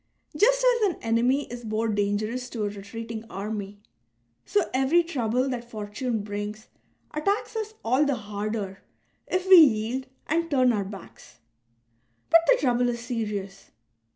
Just as an enemy is more dangerous to a retreating army, so every trouble that fortune brings attacks us all the harder if we yield and turn our backs. " But the trouble is serious.''